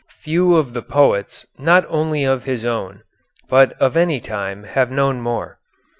Few of the poets not only of his own but of any time have known more.